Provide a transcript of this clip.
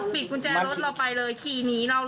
ปิดกุญแจรถเราไปเลยคีย์หนีเราเลย